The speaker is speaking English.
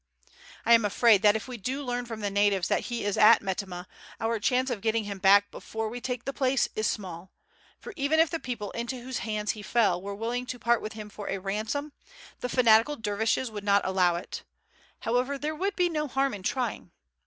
I am afraid that if we do learn from the natives that he is at Metemmeh our chance of getting him back before we take the place is small, for even if the people into whose hands he fell were willing to part with him for a ransom, the fanatical dervishes would not allow it; however, there would be no harm in trying.